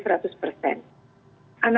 anak anak mendengar salah satu cerita